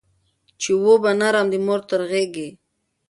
چي وو به نرم د مور تر غېږي